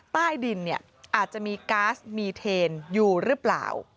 ใต้ดินเนี่ยอาจจะมีก๊าซมีเทนอยู่หรือเปล่า